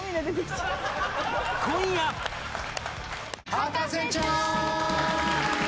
『博士ちゃん』！